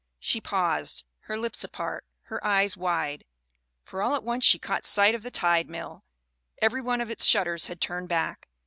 "She paused, her lips apart, her eyes wide, for all at once she caught sight of the Tide Mill. Every one of its shutters had turned back.